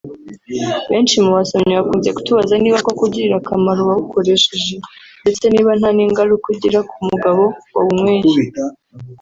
Benshi mu basomyi bakunze kutubaza niba koko ugirira akamaro uwawukoresheje ndetse niba ntaningaruka ugira ku mugabo wawunyweye